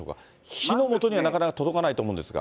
火の元にはなかなか届かないと思うんですが。